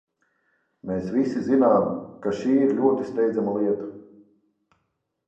Mēs visi zinām, ka šī ir ļoti steidzama lieta.